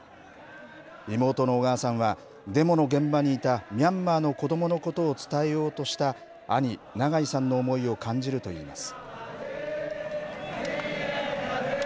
妹の小川さんはデモの現場にいたミャンマーの子どものことを伝えようとした兄、長井さんの思いを感じると言います。